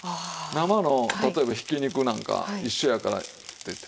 生の例えばひき肉なんか一緒やからって。